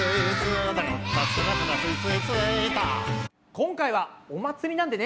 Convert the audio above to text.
今回はお祭りなんでね